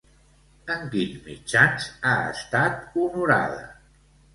En quins mitjans ha estat honorada?